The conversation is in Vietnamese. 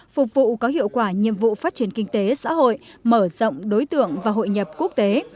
phục vụ có hiệu quả nhiệm vụ phát triển kinh tế xã hội mở rộng đối tượng và hội nhập quốc tế